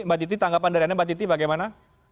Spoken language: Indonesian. mbak titi tanggapan dari anda mbak titi bagaimana